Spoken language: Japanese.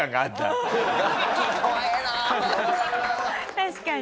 確かに。